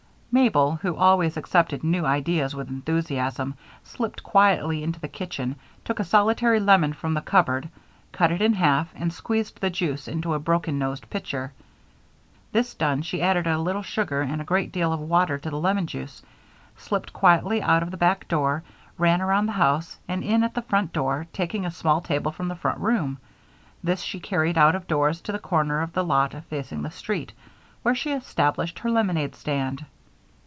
Mabel, who always accepted new ideas with enthusiasm, slipped quietly into the kitchen, took a solitary lemon from the cupboard, cut it in half, and squeezed the juice into a broken nosed pitcher. This done, she added a little sugar and a great deal of water to the lemon juice, slipped quietly out of the back door, ran around the house and in at the front door, taking a small table from the front room. This she carried out of doors to the corner of the lot facing the street, where she established her lemonade stand.